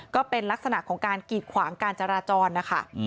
ก็เป็นลักษณะของการกีดขวางการจราจรนะคะ